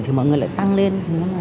thì mọi người lại tăng lên